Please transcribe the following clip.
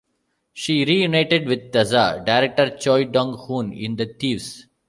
She reunited with "Tazza" director Choi Dong-hoon in "The Thieves".